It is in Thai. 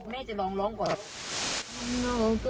น่าจะลองร้องก่อน